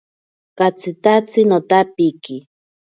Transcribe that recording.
Katsitatsi notapiki.